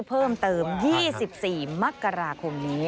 เพิ่มเติม๒๔มกราคมนี้